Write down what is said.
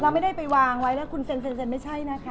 ไม่ได้ไปวางไว้แล้วคุณเซ็นไม่ใช่นะคะ